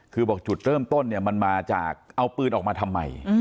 คือบอกจุดเริ่มต้นเนี่ยมันมาจากเอาปืนออกมาทำไม